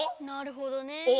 なるほどね。